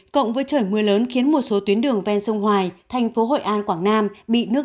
cộng với trời mưa lớn khiến một số tuyến đường ven sông hoài thành phố hội an quảng nam bị nước